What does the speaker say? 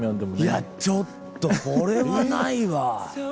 いやちょっとこれはないわ。